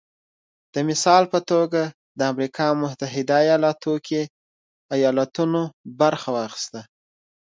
د مثال په توګه د امریکا متحده ایالتونو کې ایالتونو برخه واخیسته